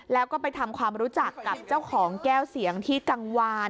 แล้วก็ไปทำความรู้จักกับเจ้าของแก้วเสียงที่กังวาน